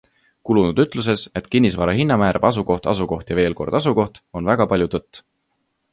Kulunud ütluses, et kinnisvara hinna määrab asukoht, asukoht ja veelkord asukoht, on väga palju tõtt.